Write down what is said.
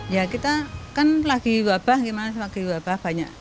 ya kita kan lagi wabah banyak